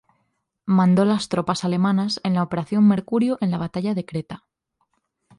Mandó las tropas alemanas en la Operación Mercurio en la Batalla de Creta.